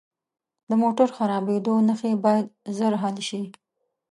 د موټر خرابیدو نښې باید ژر حل شي.